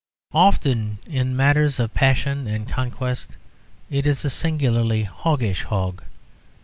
Often in matters of passion and conquest it is a singularly hoggish hog.